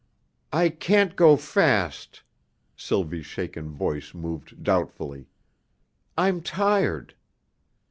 "I can't go so fast." Sylvie's shaken voice moved doubtfully. "I'm tired."